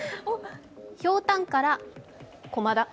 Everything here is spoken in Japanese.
ひょうたんから駒田。